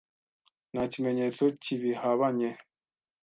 Nta kimenyetso kibihabanye.